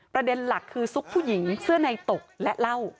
ประเด็นหลักคือซุกผู้หญิงเสื้อในตกและเหล้า